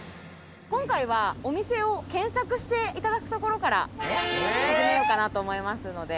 今回はお店を検索していただくところから始めようかなと思いますので。